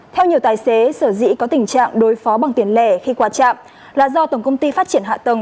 theo nhiều tài xế sở dĩ có tình trạng đối phó bằng tiền lẻ khi qua trạm là do tổng công ty phát triển hạ tầng